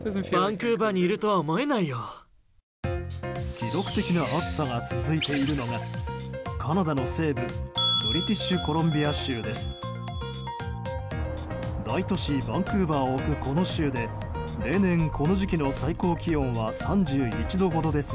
記録的な暑さが続いているのがカナダの西部ブリティッシュコロンビア州です。